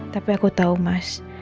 tapi aku tau mas